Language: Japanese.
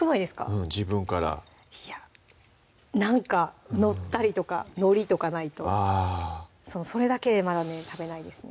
うん自分からいや何か載ったりとかのりとかないとそれだけでまだね食べないですね